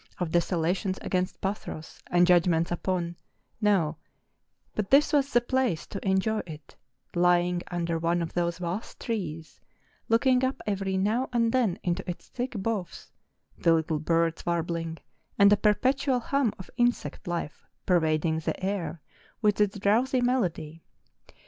of desolations against Pathros, and judgments upon No,—but this was the place to enjoy it, lying under one of those vast trees, looking up every now and then into its thick boughs, the little birds warbling, and a perpetual hum of insect life pervading the air with its drowsy melody.